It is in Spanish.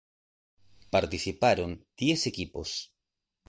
Participaron diez equipos.